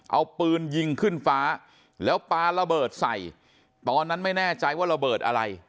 เอาปืนยิงขึ้นฟ้าแล้วปลาระเบิดใส่ตอนนั้นไม่แน่ใจว่าระเบิดอะไร